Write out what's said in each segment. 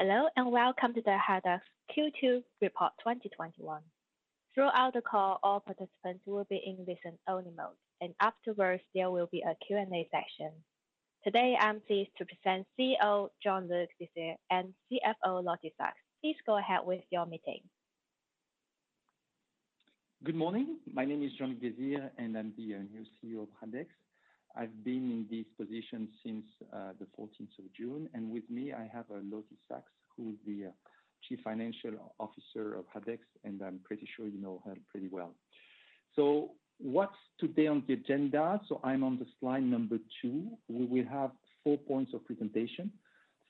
Hello, and welcome to the Haldex Q2 Report 2021. Throughout the call, all participants will be in listen-only mode, and afterwards, there will be a Q&A session. Today, I'm pleased to present CEO, Jean-Luc Desire, and CFO, Lottie Saks. Please go ahead with your meeting. Good morning. My name is Jean-Luc Desire, I'm the new CEO of Haldex. I've been in this position since the 14th of June. With me, I have Lottie Saks, who is the Chief Financial Officer of Haldex, I'm pretty sure you know her pretty well. What's today on the agenda? I'm on the slide number two. We will have four points of presentation.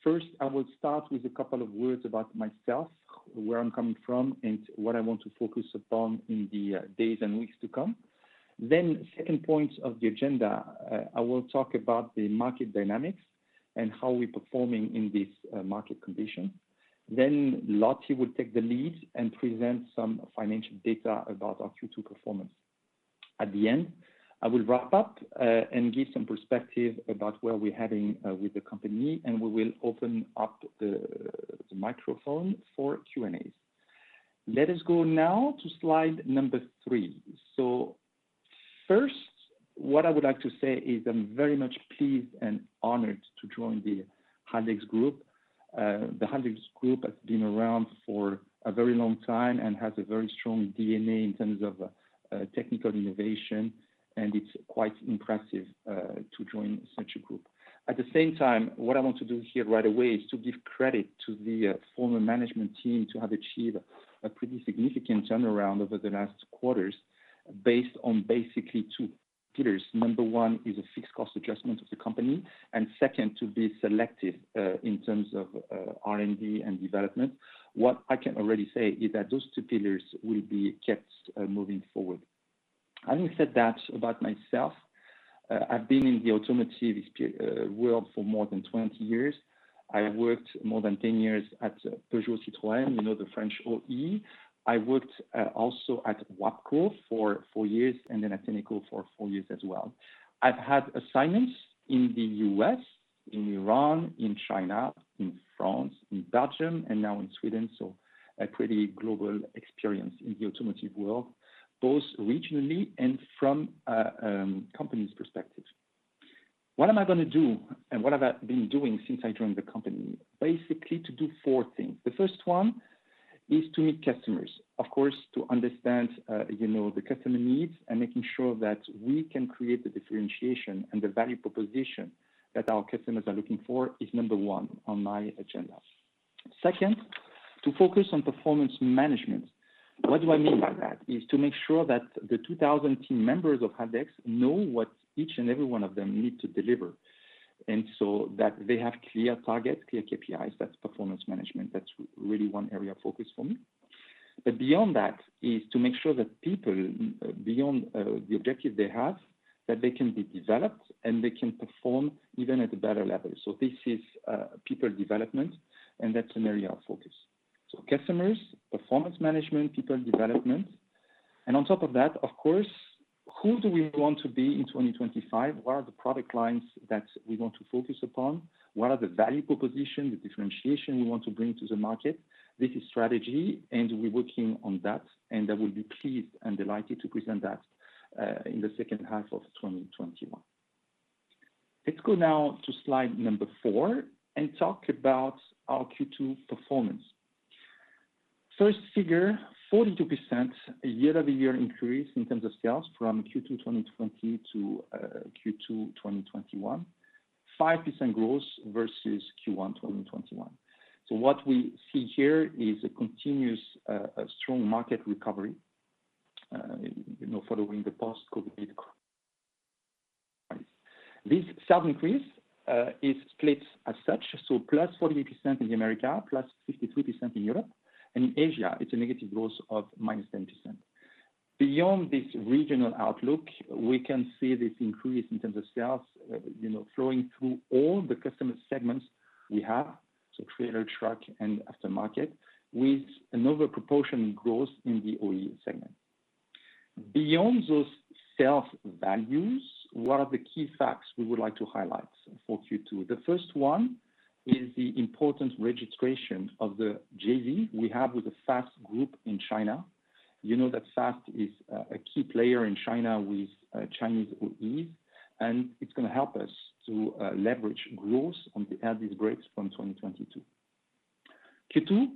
First, I will start with a couple of words about myself, where I'm coming from, what I want to focus upon in the days and weeks to come. Second point of the agenda, I will talk about the market dynamics how we're performing in this market condition. Lottie will take the lead and present some financial data about our Q2 performance. At the end, I will wrap up and give some perspective about where we're heading with the company, and we will open up the microphone for Q&A. Let us go now to slide number three. First, what I would like to say is I'm very much pleased and honored to join the Haldex Group. The Haldex Group has been around for a very long time and has a very strong DNA in terms of technical innovation, and it's quite impressive to join such a group. At the same time, what I want to do here right away is to give credit to the former management team to have achieved a pretty significant turnaround over the last quarters based on basically two pillars. Number one is a fixed cost adjustment of the company, and second, to be selective in terms of R&D and development. What I can already say is that those two pillars will be kept moving forward. Having said that, about myself, I've been in the automotive world for more than 20 years. I worked more than 10 years at Peugeot Citroën, the French OE. I worked also at WABCO for four years, and then at Tenneco for four years as well. I've had assignments in the U.S., in Iran, in China, in France, in Belgium, and now in Sweden, so a pretty global experience in the automotive world, both regionally and from a company's perspective. What am I going to do and what have I been doing since I joined the company? Basically, to do four things. The first one is to meet customers. Of course, to understand the customer needs and making sure that we can create the differentiation and the value proposition that our customers are looking for is number one on my agenda. Second, to focus on performance management. What do I mean by that? Is to make sure that the 2,000 team members of Haldex know what each and every one of them need to deliver. That they have clear targets, clear KPIs, that's performance management. That's really one area of focus for me. Beyond that is to make sure that people, beyond the objective they have, that they can be developed and they can perform even at a better level. This is people development, and that's an area of focus. Customers, performance management, people development, and on top of that, of course, who do we want to be in 2025? What are the product lines that we want to focus upon? What are the value proposition, the differentiation we want to bring to the market? This is strategy, and we're working on that, and I will be pleased and delighted to present that in the second half of 2021. Let's go now to slide number four and talk about our Q2 performance. First figure, 42% year-over-year increase in terms of sales from Q2 2020-Q2 2021. 5% growth versus Q1 2021. What we see here is a continuous strong market recovery following the post-COVID crisis. This sales increase is split as such, so +48% in the America, +52% in Europe, and in Asia, it's a negative growth of -10%. Beyond this regional outlook, we can see this increase in terms of sales flowing through all the customer segments we have, so trailer, truck, and aftermarket, with an overproportion growth in the OE segment. Beyond those sales values, what are the key facts we would like to highlight for Q2? The first one is the important registration of the JV we have with the FAST Group in China. You know that FAST is a key player in China with Chinese OEs, and it's going to help us to leverage growth on the ADB from 2022. Q2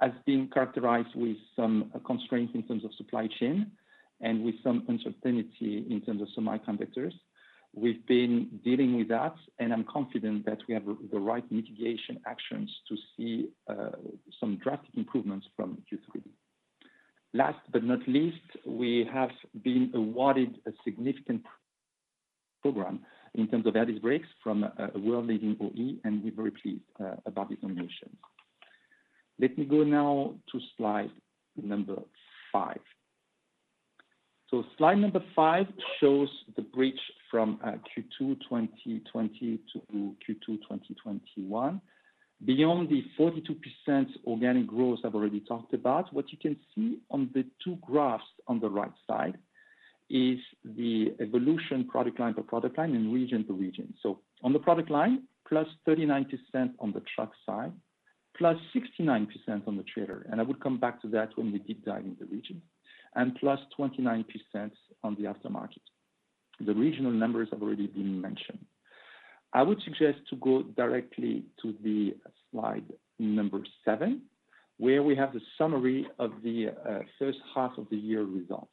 has been characterized with some constraints in terms of supply chain and with some uncertainty in terms of semiconductors. We've been dealing with that, and I'm confident that we have the right mitigation actions to see some drastic improvements from Q3. Last but not least, we have been awarded a significant program in terms of ADAS brakes from a world-leading OE. We're very pleased about this nomination. Let me go now to slide number five. Slide number five shows the bridge from Q2 2020-Q2 2021. Beyond the 42% organic growth I've already talked about, what you can see on the two graphs on the right side is the evolution product line by product line and region to region. On the product line, +39% on the truck side, +69% on the trailer. I will come back to that when we deep dive into region. +29% on the aftermarket. The regional numbers have already been mentioned. I would suggest to go directly to the slide number seven, where we have the summary of the first half of the year results.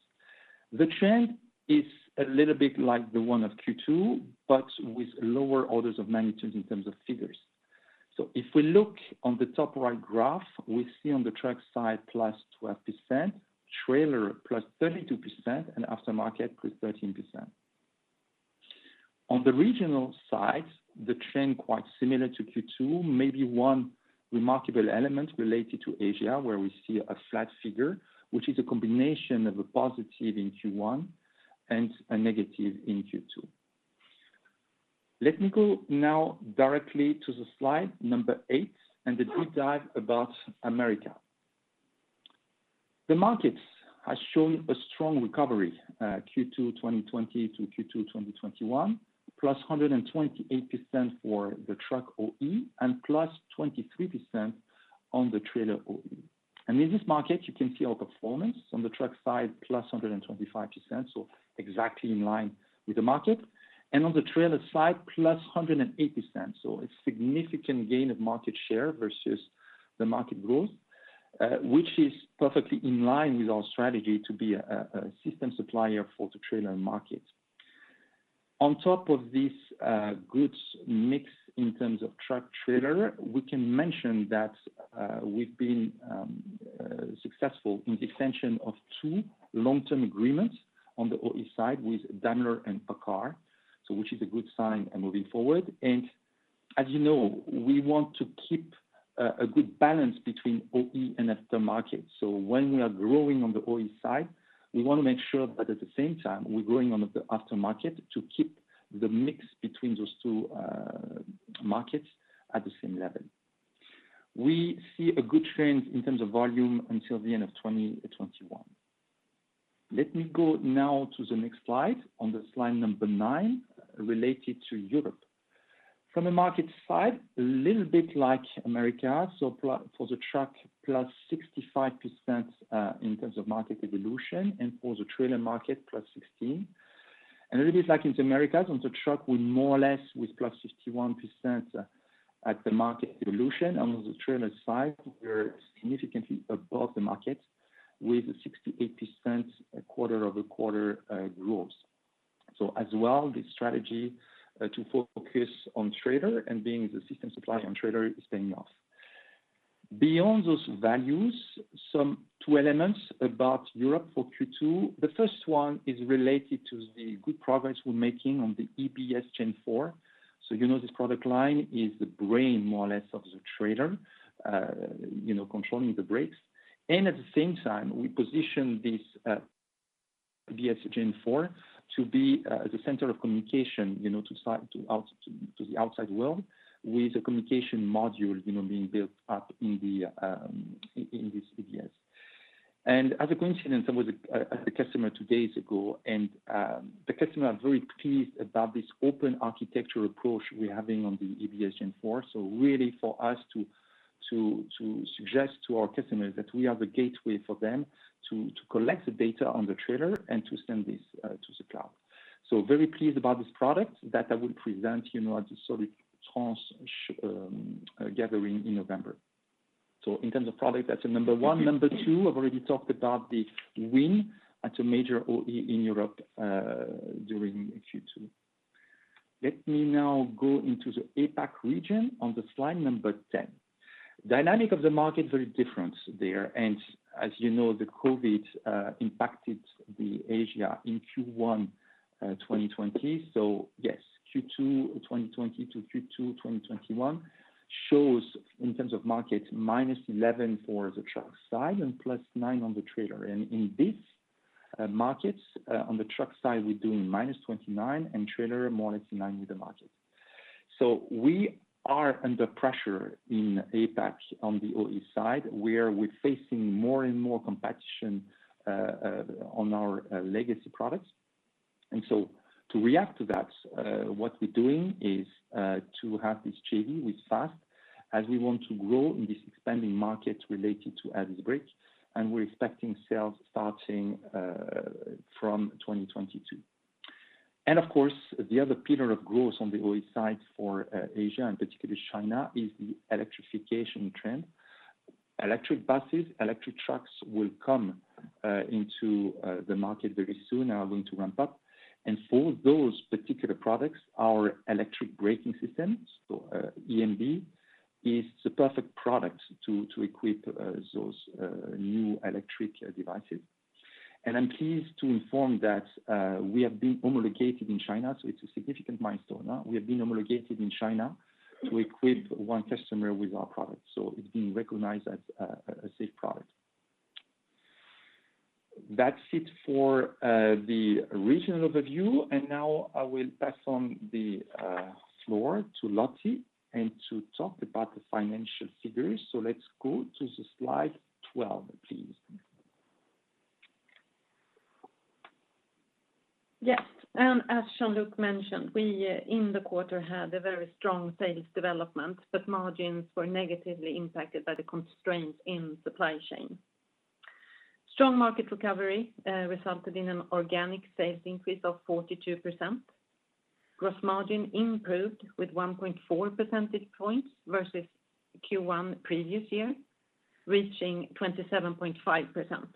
The trend is a little bit like the one of Q2, but with lower orders of magnitude in terms of figures. If we look on the top right graph, we see on the truck side +12%, trailer +32%, and aftermarket +13%. On the regional side, the trend quite similar to Q2, maybe one remarkable element related to Asia where we see a flat figure, which is a combination of a positive in Q1 and a negative in Q2. Let me go now directly to the slide number eight and the deep dive about America. The markets has shown a strong recovery, Q2 2020-Q2 2021. +128% for the truck OE and +23% on the trailer OE. In this market, you can see our performance on the truck side, +125%, so exactly in line with the market. On the trailer side, +108%, so a significant gain of market share versus the market growth, which is perfectly in line with our strategy to be a system supplier for the trailer market. On top of this good mix in terms of truck, trailer, we can mention that we've been successful in the extension of two long-term agreements on the OE side with Daimler and PACCAR, so which is a good sign and moving forward. As you know, we want to keep a good balance between OE and aftermarket. When we are growing on the OE side, we want to make sure that at the same time, we're growing on the aftermarket to keep the mix between those two markets at the same level. We see a good trend in terms of volume until the end of 2021. Let me go now to the next slide, on the slide number nine, related to Europe. From a market side, a little bit like America, for the truck, +65%, in terms of market evolution, and for the trailer market, +16%. A little bit like in the Americas, on the truck we're more or less with +61% at the market evolution. On the trailer side, we are significantly above the market with 68% quarter-over-quarter growth. As well, the strategy to focus on trailer and being the system supplier on trailer is paying off. Beyond those values, two elements about Europe for Q2. The first one is related to the good progress we're making on the EBS Gen4. You know this product line is the brain, more or less, of the trailer, controlling the brakes. At the same time, we position this EBS Gen4 to be the center of communication to the outside world with the communication module being built up in this EBS. As a coincidence, I was at a customer two days ago, and the customer is very pleased about this open architecture approach we're having on the EBS Gen4. Really for us to suggest to our customers that we are the gateway for them to collect the data on the trailer and to send this to the cloud. Very pleased about this product that I will present at the SOLUTRANS gathering in November. In terms of product, that's number one. Number two, I've already talked about the win at a major OE in Europe during Q2. Let me now go into the APAC region on the slide number 10. Dynamic of the market, very different there. As you know, the COVID impacted Asia in Q1 2020. Yes, Q2 2020-Q2 2021 shows, in terms of market, -11% for the truck side and +9% on the trailer. In this market, on the truck side, we're doing -29%, and trailer, more or less in line with the market. We are under pressure in APAC on the OE side, where we're facing more and more competition on our legacy products. To react to that, what we're doing is to have this JV with FAST, as we want to grow in this expanding market related to ADAS brake, and we're expecting sales starting from 2022. Of course, the other pillar of growth on the OE side for Asia, and particularly China, is the electrification trend. Electric buses, electric trucks will come into the market very soon, are going to ramp up. For those particular products, our electric braking system, so EMB, is the perfect product to equip those new electric devices. I'm pleased to inform that we have been homologated in China, so it's a significant milestone. We have been homologated in China to equip one customer with our product, so it's been recognized as a safe product. That's it for the regional overview, and now I will pass on the floor to Lottie and to talk about the financial figures. Let's go to the slide 12, please. Yes. As Jean-Luc mentioned, we in the quarter had a very strong sales development, but margins were negatively impacted by the constraints in supply chain. Strong market recovery resulted in an organic sales increase of 42%. Gross margin improved with 1.4 percentage points versus Q1 previous year, reaching 27.5%.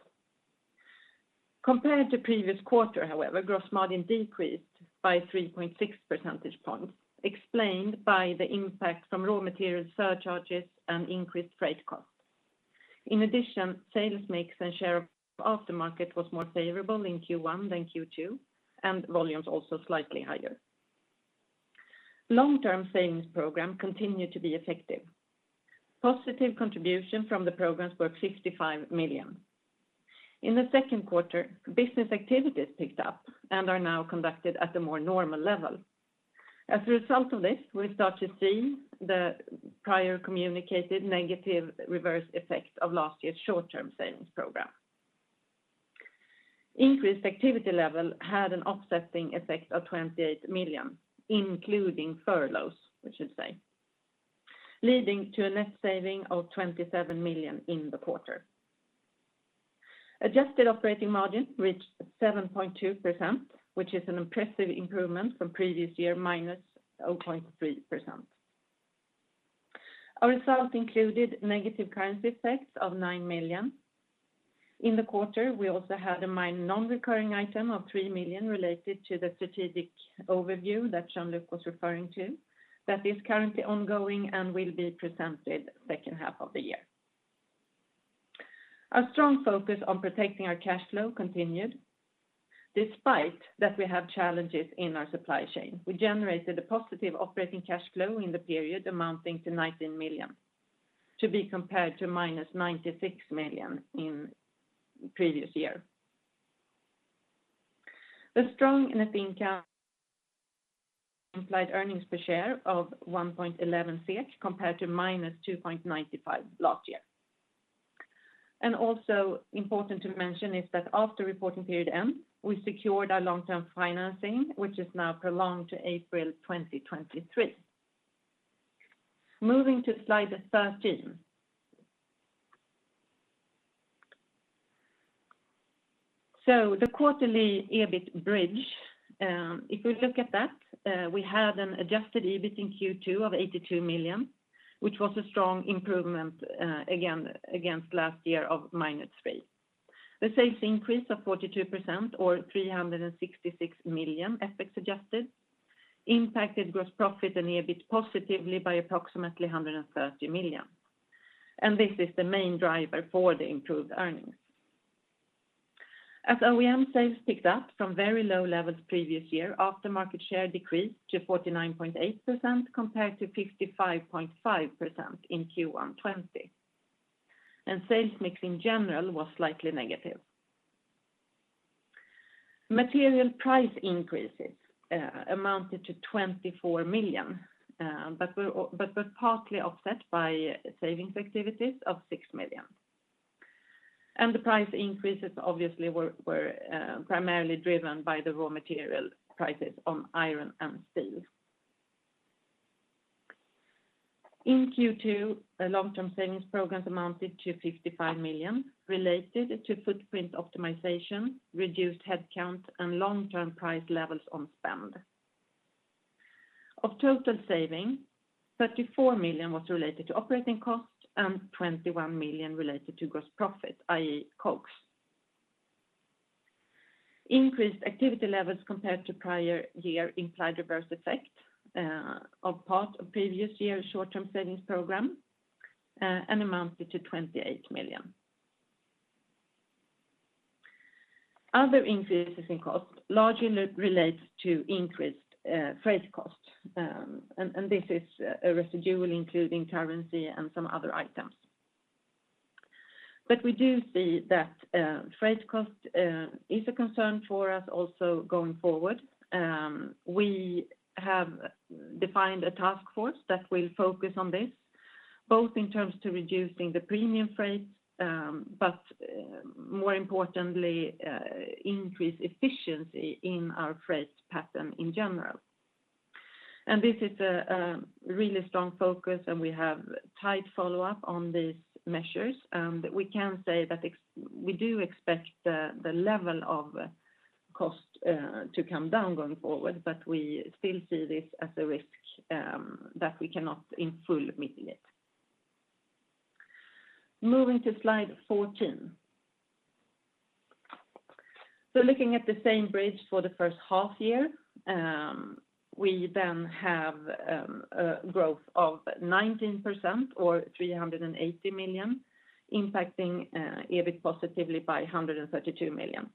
Compared to previous quarter, however, gross margin decreased by 3.6 percentage points, explained by the impact from raw material surcharges and increased freight costs. In addition, sales mix and share of aftermarket was more favorable in Q1 than Q2, and volumes also slightly higher. Long-term savings program continued to be effective. Positive contribution from the programs were 65 million. In the second quarter, business activities picked up and are now conducted at a more normal level. As a result of this, we start to see the prior communicated negative reverse effects of last year's short-term savings program. Increased activity level had an offsetting effect of 28 million, including furloughs, I should say, leading to a net saving of 27 million in the quarter. Adjusted operating margin reached 7.2%, which is an impressive improvement from previous year, -0.3%. Our results included negative currency effects of 9 million. In the quarter, we also had a minor non-recurring item of 3 million related to the strategic overview that Jean-Luc was referring to, that is currently ongoing and will be presented second half of the year. Our strong focus on protecting our cash flow continued, despite that we have challenges in our supply chain. We generated a positive operating cash flow in the period amounting to 19 million, to be compared to -96 million in previous year. The strong net income implied earnings per share of 1.11 million SEK, compared to -2.95 million last year. Also important to mention is that after reporting period end, we secured our long-term financing, which is now prolonged to April 2023. Moving to slide 13. The quarterly EBIT bridge. If we look at that, we had an adjusted EBIT in Q2 of 82 million, which was a strong improvement, again, against last year of -3 million. The sales increase of 42% or 366 million FX adjusted impacted gross profit and EBIT positively by approximately 130 million. This is the main driver for the improved earnings. As OEM sales picked up from very low levels previous year, aftermarket share decreased to 49.8% compared to 55.5% in Q1 2020. Sales mix in general was slightly negative. Material price increases amounted to 24 million, but were partly offset by savings activities of 6 million. The price increases obviously were primarily driven by the raw material prices on iron and steel. In Q2, long-term savings programs amounted to 55 million related to footprint optimization, reduced headcount, and long-term price levels on spend. Of total saving, 34 million was related to operating costs and 21 million related to gross profit, i.e., COGS. Increased activity levels compared to prior year implied reverse effect of part of previous year's short-term savings program and amounted to SEK 28 million. Other increases in cost largely relates to increased freight cost. This is a residual including currency and some other items. We do see that freight cost is a concern for us also going forward. We have defined a task force that will focus on this, both in term to reducing the premium freight, but more importantly, increase efficiency in our freight pattern in general. This is a really strong focus and we have tight follow-up on these measures. We can say that we do expect the level of cost to come down going forward, but we still see this as a risk that we cannot in full mitigate. Moving to slide 14. Looking at the same bridge for the first half year, we have a growth of 19% or 380 million impacting EBIT positively by 132 million.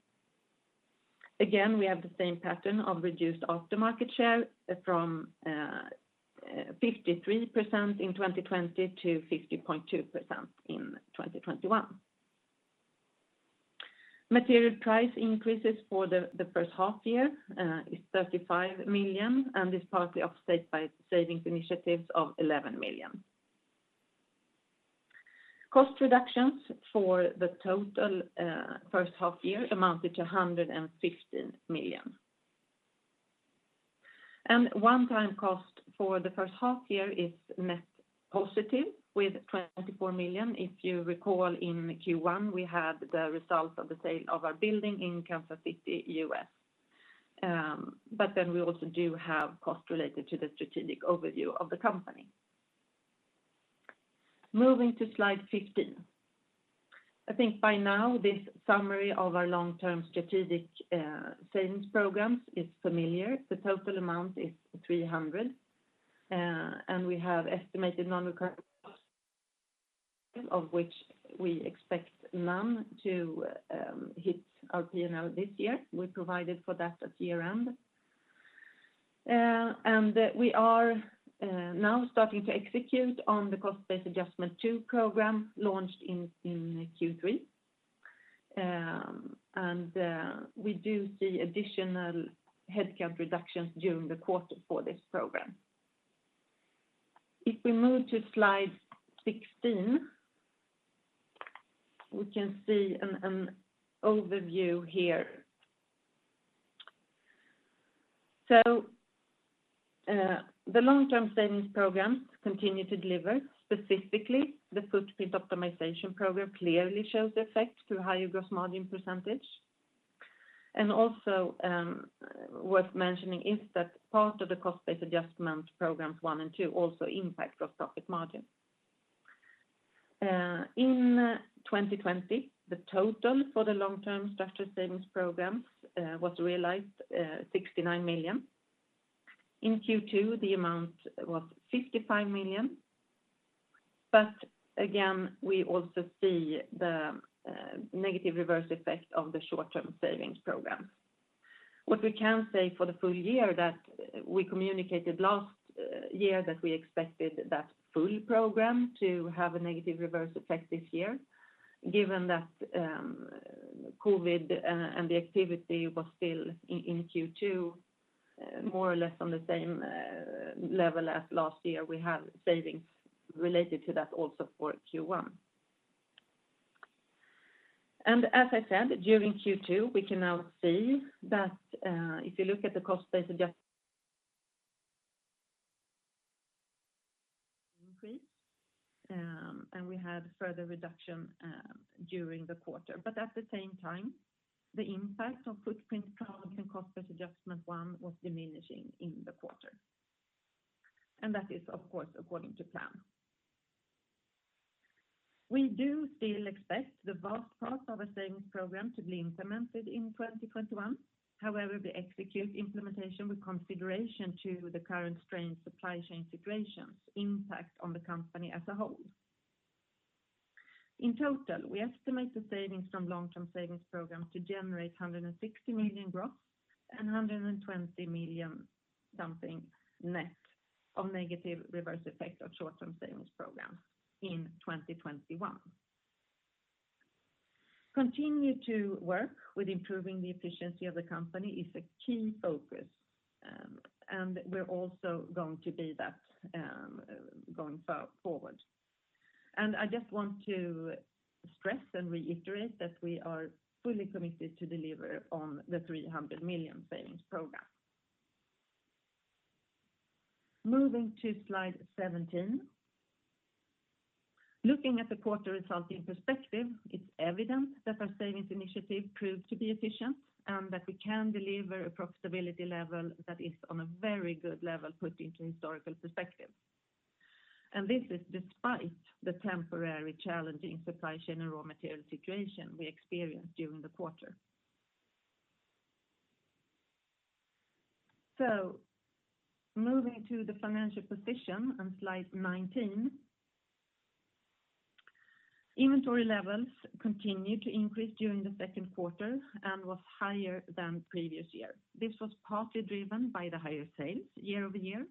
Again, we have the same pattern of reduced aftermarket share from 53% in 2020 to 50.2% in 2021. Material price increases for the first half year is 35 million and is partly offset by savings initiatives of 11 million. Cost reductions for the total first half year amounted to 115 million. One-time cost for the first half year is net positive with 24 million. If you recall, in Q1, we had the result of the sale of our building in Kansas City, U.S. We also do have costs related to the strategic overview of the company. Moving to slide 15. I think by now this summary of our long-term strategic savings programs is familiar. The total amount is 300 million, and we have estimated non-recurring costs, of which we expect none to hit our P&L this year. We provided for that at year-end. We are now starting to execute on the cost-based adjustment two program launched in Q3. We do see additional headcount reductions during the quarter for this program. If we move to slide 16, we can see an overview here. The long-term savings programs continue to deliver. Specifically, the Footprint Optimization Program clearly shows the effect through higher gross margin %. Also worth mentioning is that part of the cost-based adjustment one and two also impact gross profit margin. In 2020, the total for the long-term structure savings programs was realized 69 million. In Q2, the amount was 55 million. Again, we also see the negative reverse effect of the short-term savings program. What we can say for the full year that we communicated last year that we expected that full program to have a negative reverse effect this year, given that COVID and the activity was still in Q2, more or less on the same level as last year, we have savings related to that also for Q1. As I said, during Q2, we can now see that if you look at the cost-based adjustment increase, and we had further reduction during the quarter. At the same time, the impact of footprint problems and cost-based adjustment one was diminishing in the quarter. That is, of course, according to plan. We do still expect the vast part of a savings program to be implemented in 2021. However, we execute implementation with consideration to the current strained supply chain situations impact on the company as a whole. In total, we estimate the savings from long-term savings programs to generate 160 million gross and 120 million something net of negative reverse effect of short-term savings programs in 2021. Continue to work with improving the efficiency of the company is a key focus, and we're also going to be that going forward. I just want to stress and reiterate that we are fully committed to deliver on the 300 million savings program. Moving to slide 17. Looking at the quarter result in perspective, it's evident that our savings initiative proved to be efficient and that we can deliver a profitability level that is on a very good level put into historical perspective. This is despite the temporary challenging supply chain and raw material situation we experienced during the quarter. Moving to the financial position on slide 19. Inventory levels continued to increase during the second quarter and was higher than previous year. This was partly driven by the higher sales year-over-year,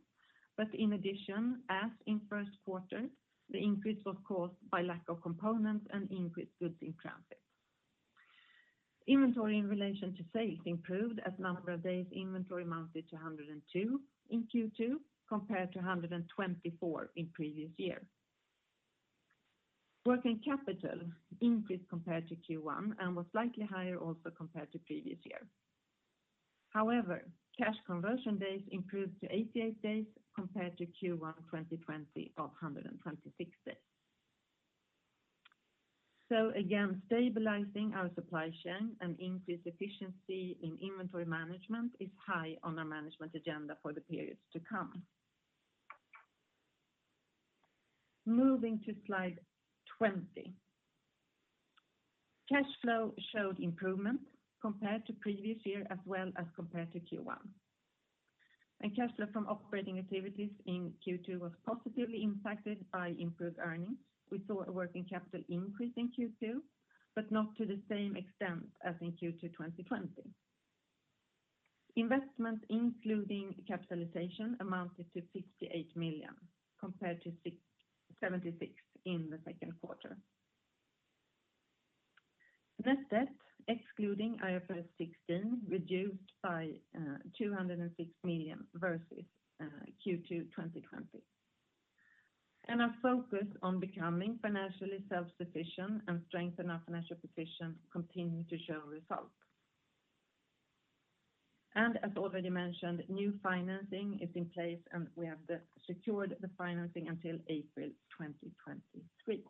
but in addition, as in 1st quarter, the increase was caused by lack of components and increased goods in transit. Inventory in relation to sales improved as number of days inventory amounted to 102 in Q2 compared to 124 in previous year. Working capital increased compared to Q1 and was slightly higher also compared to previous year. Cash conversion days improved to 88 days compared to Q1 2020 of 126 days. Again, stabilizing our supply chain and increase efficiency in inventory management is high on our management agenda for the periods to come. Moving to slide 20. Cash flow showed improvement compared to previous year as well as compared to Q1. Cash flow from operating activities in Q2 was positively impacted by improved earnings. We saw a working capital increase in Q2, but not to the same extent as in Q2 2020. Investment, including capitalization, amounted to 58 million compared to 76 million in the second quarter. Net debt excluding IFRS 16 reduced by 206 million versus Q2 2020. Our focus on becoming financially self-sufficient and strengthen our financial position continue to show results. As already mentioned, new financing is in place and we have secured the financing until April 2023.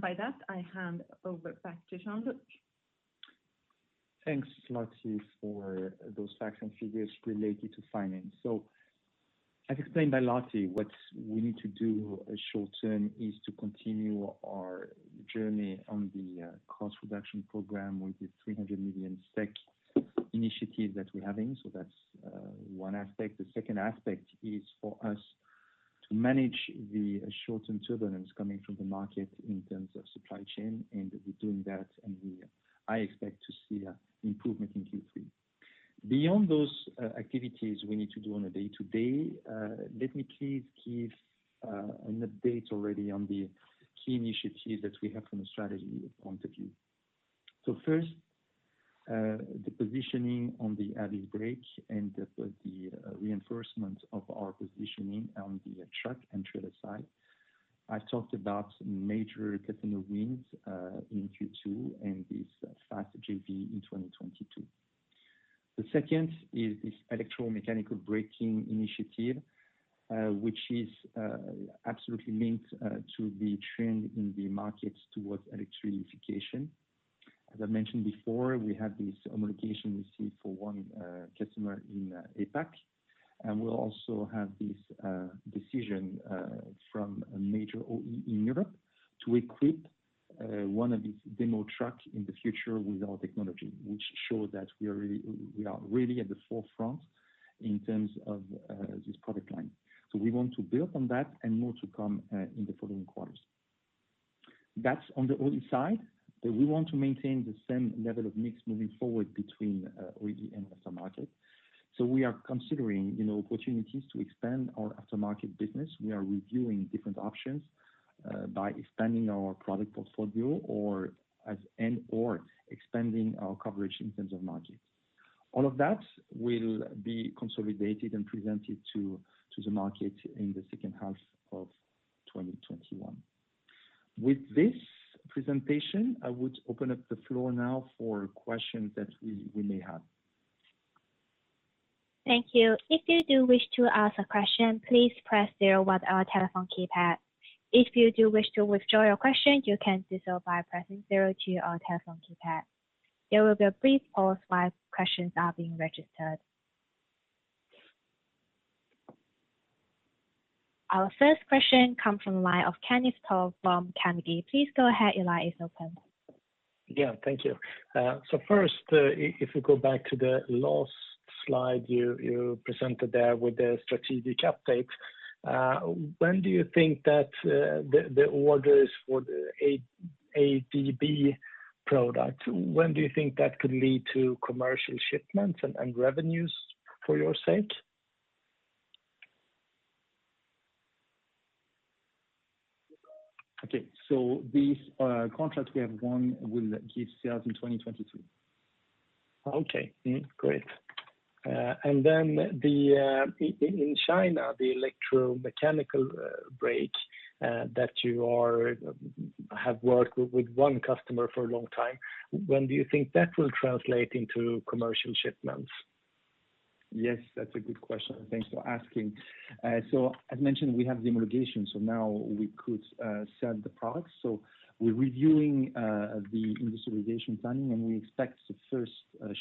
By that, I hand over back to Jean-Luc. Thanks, Lottie, for those facts and figures related to finance. As explained by Lottie, what we need to do short term is to continue our journey on the cost reduction program with the 300 million SEK initiative that we're having. That's one aspect. The second aspect is for us to manage the shortened turbulence coming from the market in terms of supply chain, and we're doing that, and I expect to see improvement in Q3. Beyond those activities we need to do on a day-to-day, let me please give an update already on the key initiatives that we have from a strategy point of view. First, the positioning on the AD brakes and the reinforcement of our positioning on the truck and trailer side. I talked about major customer wins in Q2 and this FAST JV in 2022. The second is this electromechanical braking initiative, which is absolutely linked to the trend in the market towards electrification. As I mentioned before, we have this homologation receipt for one customer in APAC, and we'll also have this decision from a major OE in Europe to equip one of these demo trucks in the future with our technology, which shows that we are really at the forefront in terms of this product line. We want to build on that and more to come in the following quarters. That's on the OE side, but we want to maintain the same level of mix moving forward between OE and aftermarket. We are considering opportunities to expand our aftermarket business. We are reviewing different options by expanding our product portfolio and/or expanding our coverage in terms of margin. All of that will be consolidated and presented to the market in the second half of 2021. With this presentation, I would open up the floor now for questions that we may have. Thank you. If you do wish to ask a question, please press zero on our telephone keypad. If you do wish to withdraw your question, you can do so by pressing zero on your telephone keypad. There will be a brief pause while questions are being registered. Our first question comes from the line of Kenneth Toll from Carnegie. Please go ahead, your line is open. Yeah, thank you. First, if we go back to the last slide you presented there with the strategic updates. When do you think that the orders for the ADB product, when do you think that could lead to commercial shipments and revenues for your sake? This contract we have won will give sales in 2022. Okay. Great. In China, the electromechanical brakes that you have worked with one customer for a long time, when do you think that will translate into commercial shipments? Yes, that's a good question. Thanks for asking. As mentioned, we have the homologation, so now we could sell the products. We're reviewing the industrialization planning, and we expect the first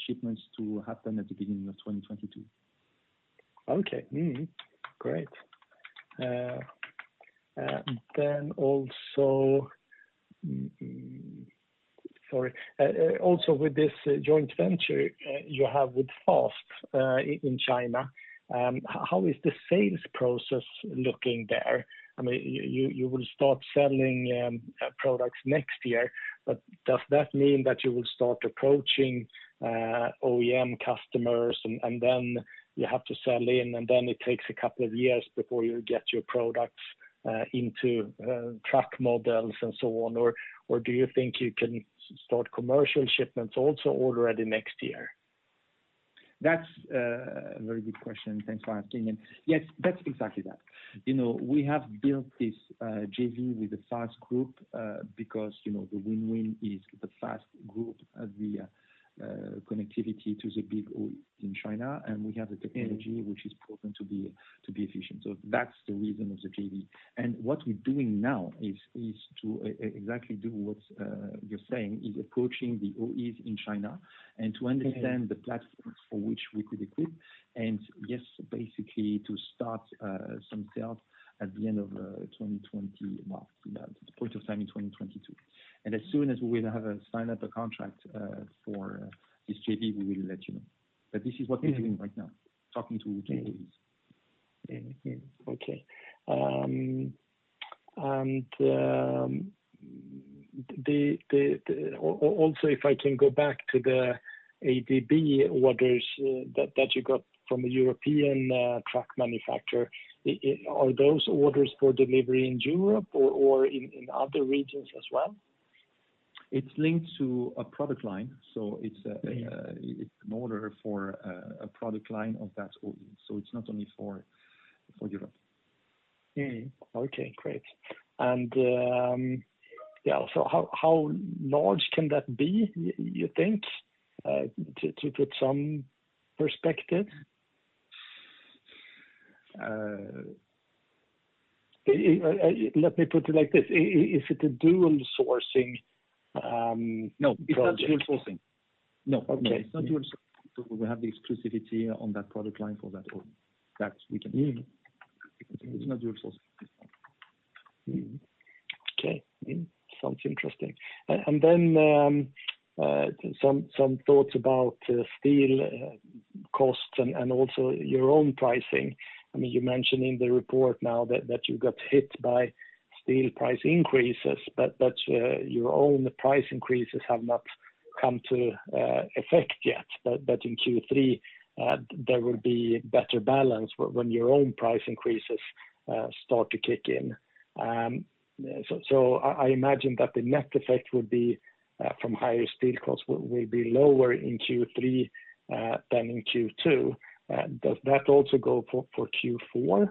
shipments to happen at the beginning of 2022. Okay. Great. Also with this joint venture you have with FAST in China, how is the sales process looking there? You will start selling products next year, does that mean that you will start approaching OEM customers, and then you have to sell in, and then it takes a couple of years before you get your products into truck models and so on? Do you think you can start commercial shipments also already next year? That's a very good question. Thanks for asking. Yes, that's exactly that. We have built this JV with the FAST Group because the win-win is the FAST Group has the connectivity to the big OEs in China, and we have the technology which is proven to be efficient. That's the reason of the JV. What we're doing now is to exactly do what you're saying, is approaching the OEs in China and to understand the platforms for which we could equip. Yes, basically to start some sales at the end of 2020, March, the point of time in 2022. As soon as we have signed up a contract for this JV, we will let you know. This is what we're doing right now, talking to OEs. Yeah. Okay. Also, if I can go back to the ADB orders that you got from a European truck manufacturer. Are those orders for delivery in Europe or in other regions as well? It's linked to a product line, so it's an order for a product line of that OE, so it's not only for Europe. Okay, great. How large can that be, you think, to put some perspective? Let me put it like this. Is it a dual sourcing? No, it's not dual sourcing. No. Okay. It's not dual sourcing. We have the exclusivity on that product line for that OE. It's not dual sourcing this one. Okay. Sounds interesting. Some thoughts about steel costs and also your own pricing. You mention in the report now that you got hit by steel price increases, but your own price increases have not come to effect yet. In Q3, there will be better balance when your own price increases start to kick in. I imagine that the net effect from higher steel costs will be lower in Q3 than in Q2. Does that also go for Q4?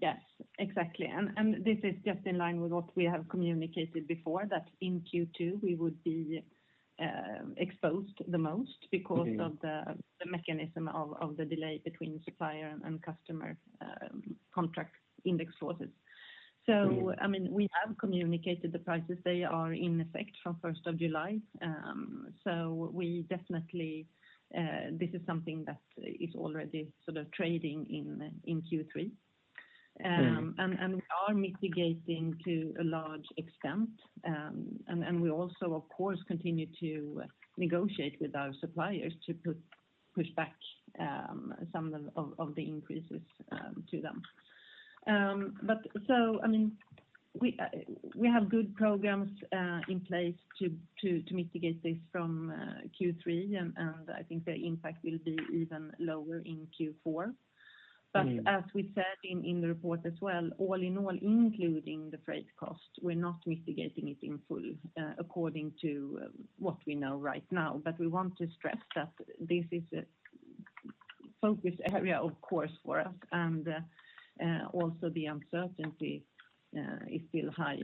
Yes, exactly. This is just in line with what we have communicated before, that in Q2 we would be exposed the most because of the mechanism of the delay between supplier and customer contract index sources. We have communicated the prices. They are in effect from 1st of July. Definitely, this is something that is already sort of trading in Q3. We are mitigating to a large extent. We also, of course, continue to negotiate with our suppliers to push back some of the increases to them. We have good programs in place to mitigate this from Q3, and I think the impact will be even lower in Q4. As we said in the report as well, all in all, including the freight cost, we're not mitigating it in full according to what we know right now. We want to stress that this is a focus area, of course, for us, and also the uncertainty is still high,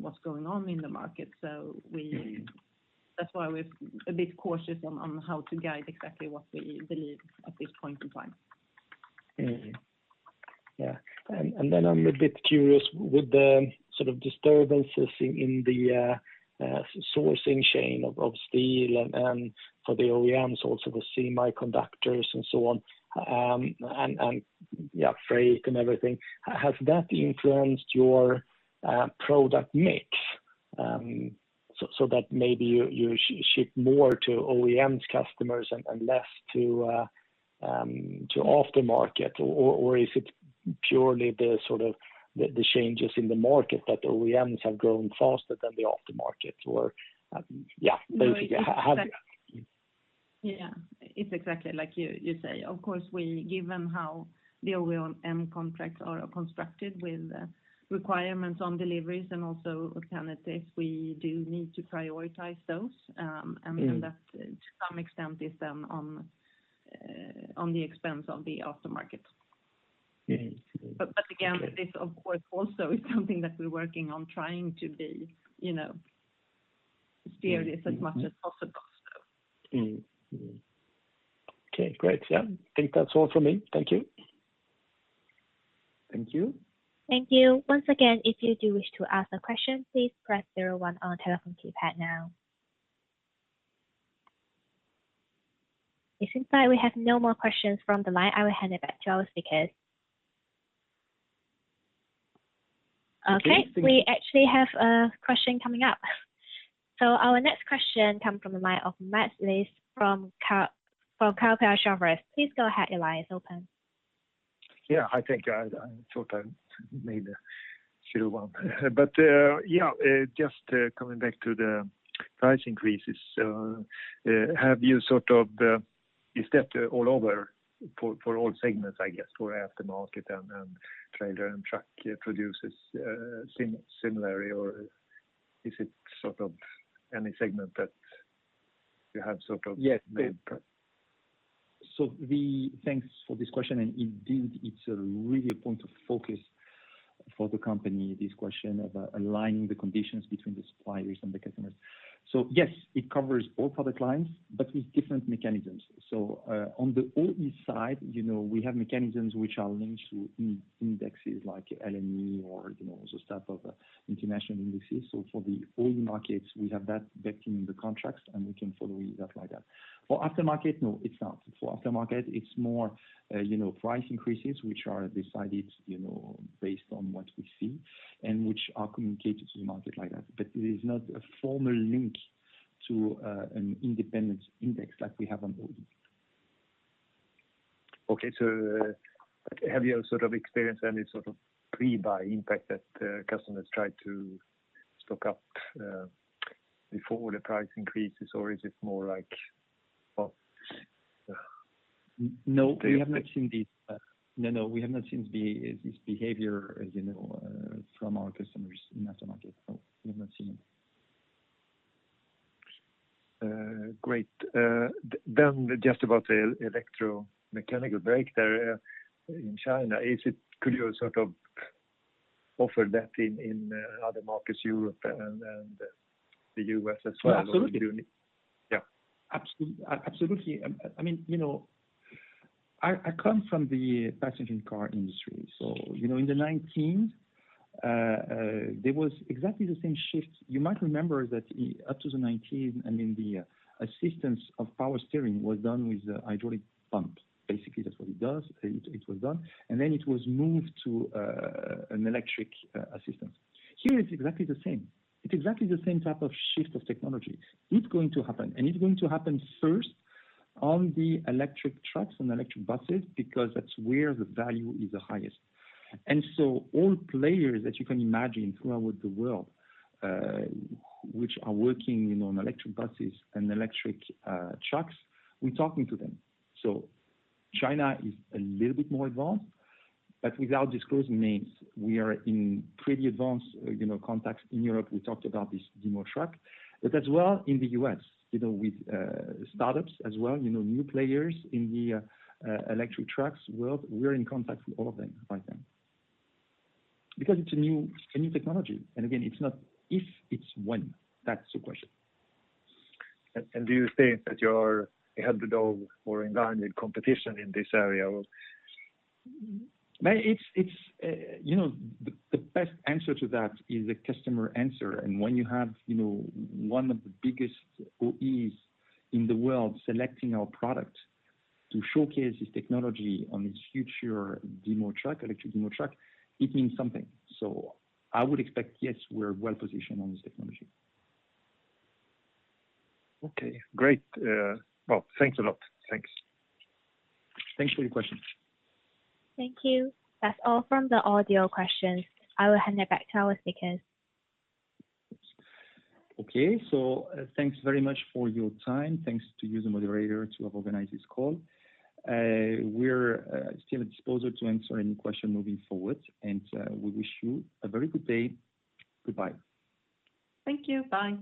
what's going on in the market. That's why we're a bit cautious on how to guide exactly what we believe at this point in time. Yeah. I'm a bit curious with the sort of disturbances in the sourcing chain of steel and for the OEMs also the semiconductors and so on, and freight and everything, has that influenced your product mix? That maybe you ship more to OEMs customers and less to aftermarket, or is it purely the sort of the changes in the market that OEMs have grown faster than the off the market or, yeah, basically how do you? Yeah, it is exactly like you say. Of course, given how the OEM contracts are constructed with requirements on deliveries and also alternatives, we do need to prioritize those. Yeah. That to some extent is then on the expense of the off the market. Again, this of course also is something that we're working on trying to be serious as much as possible. Okay, great. Yeah. I think that's all from me. Thank you. Thank you. Thank you. Once again, if you do wish to ask a question, please press zero one on telephone keypad now. It seems like we have no more questions from the line. I will hand it back to our speakers. Okay. We actually have a question coming up. Our next question come from the line of Mats Liss from Kepler Cheuvreux. Please go ahead, your line is open. Yeah, I think I thought I made a zero one. Yeah, just coming back to the price increases. Have you sort of, is that all over for all segments, I guess, for aftermarket and trailer and truck producers similarly? Is it sort of any segment that you have? Yes. Thanks for this question, and indeed, it's a real point of focus for the company, this question about aligning the conditions between the suppliers and the customers. Yes, it covers all product lines, but with different mechanisms. On the OE side, we have mechanisms which are linked to indexes like LME or those types of international indexes. For the OE markets, we have that baked in the contracts, and we can follow that like that. For aftermarket, no, it's not. For aftermarket, it's more price increases, which are decided based on what we see and which are communicated to the market like that. It is not a formal link to an independent index like we have on board. Okay. Have you sort of experienced any sort of pre-buy impact that customers try to stock up before the price increases? Is it more like post? No, we have not seen this behavior from our customers in that market. No, we have not seen it. Great. Just about the electromechanical brake there in China, could you offer that in other markets, Europe and the U.S. as well? Absolutely. Yeah. Absolutely. I come from the passenger car industry. In the 2019s, there was exactly the same shift. You might remember that up to the 2019, the assistance of power steering was done with the hydraulic pump. Basically, that's what it does. It was done. Then it was moved to an electric assistance. Here, it's exactly the same. It's exactly the same type of shift of technology. It's going to happen, and it's going to happen first on the electric trucks and electric buses because that's where the value is the highest. All players that you can imagine throughout the world, which are working on electric buses and electric trucks, we're talking to them. China is a little bit more advanced, but without disclosing names, we are in pretty advanced contacts in Europe. We talked about this demo truck, as well in the U.S. with startups as well, new players in the electric trucks world. We're in contact with all of them right now because it's a new technology. Again, it's not if, it's when. That's the question. Do you think that you are a head above or regarding competition in this area of. The best answer to that is the customer answer. When you have one of the biggest OEs in the world selecting our product to showcase this technology on its future electric demo truck, it means something. I would expect, yes, we're well-positioned on this technology. Okay, great. Well, thanks a lot. Thanks. Thanks for your questions. Thank you. That's all from the audio questions. I will hand it back to our speakers. Thanks very much for your time. Thanks to you, the moderator, to have organized this call. We're still at disposal to answer any question moving forward, and we wish you a very good day. Goodbye. Thank you. Bye.